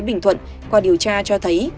bình thuận qua điều tra cho thấy